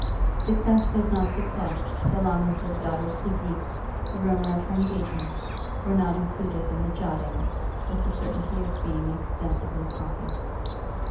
Success was not success so long as his daughter's physique, the rumour of her engagement, were not included in the "Jottings" with the certainty of being extensively copied.